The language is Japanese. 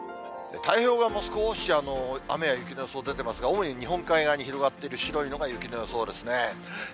太平洋側も少し雨や雪の予想出てますが、主に日本海側に広がっている白いのが雪の予想ですね。